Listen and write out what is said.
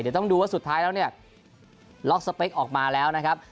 เดี๋ยวต้องดูว่าสุดท้ายแล้วเนี่ยล็อกสเปคออกมาแล้วนะครับ